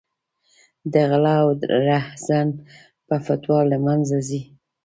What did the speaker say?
د غله او رحزن په فتوا له منځه ځي.